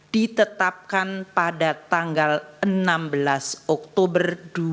ditetapkan pada tanggal enam belas oktober dua ribu dua puluh